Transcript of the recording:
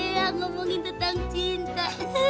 lusik itu teh ngomongin tentang cinta